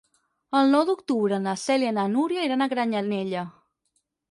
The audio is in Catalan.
El nou d'octubre na Cèlia i na Núria iran a Granyanella.